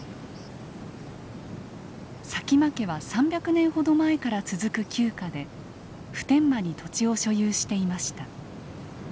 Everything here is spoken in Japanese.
佐喜眞家は３００年ほど前から続く旧家で普天間に土地を所有していました。